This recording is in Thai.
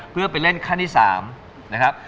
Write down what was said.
เพื่อไปเล่นขั้นที่๓นะครับ